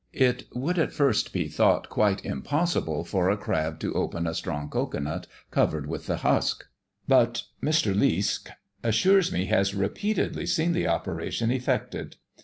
It would at first be thought quite impossible for a crab to open a strong cocoa nut covered with the husk; but M. Liesk assures me he has repeatedly seen the operation effected.